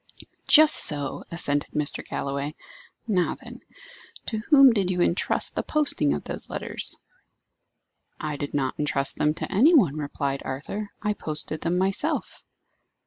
"Just so," assented Mr. Galloway. "Now, then, to whom did you intrust the posting of those letters?" "I did not intrust them to any one," replied Arthur; "I posted them myself."